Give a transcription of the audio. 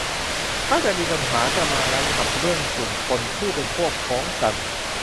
ถ้าจะมีปัญหาจะมากับเรื่องกลุ่มคนผู้เป็นพวกพ้องกัน